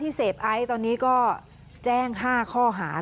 พี่เกียจพูดดวยแล้วจะจัดทาง